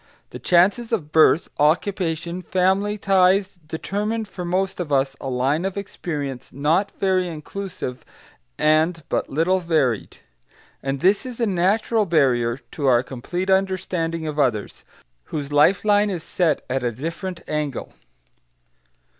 The chances of birth, occupation, family ties, determine for most of us a line of experience not very inclusive and but little varied; and this is a natural barrier to our complete understanding of others, whose life line is set at a different angle.